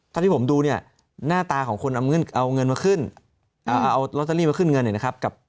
ถ้าที่ผมดูเนี่ยหน้าตาของคนเอาเงินมาขึ้นเอาลอตเตอรี่มาขึ้นเงินเนี่ยนะครับ